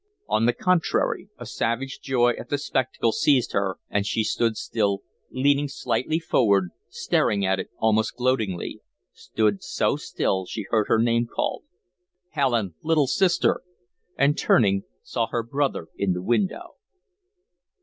On the contrary, a savage joy at the spectacle seized her and she stood still, leaning slightly forward, staring at it almost gloatingly, stood so till she heard her name called, "Helen, little sister!" and, turning, saw her brother in the window.